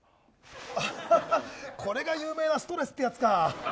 これが有名なストレスってやつか。